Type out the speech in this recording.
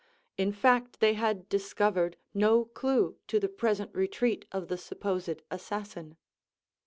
In fact they had discovered no clue to the present retreat of the supposed assassin.